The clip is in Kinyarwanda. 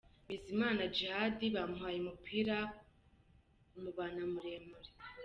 Bizimana Djihad bamuhaye umupira umubana muremure.